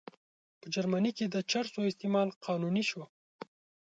په جرمني کې د چرسو استعمال قانوني شو.